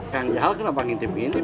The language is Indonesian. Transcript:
yang jahal kenapa hanya tim ini